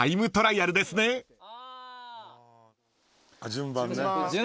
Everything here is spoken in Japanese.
順番ね。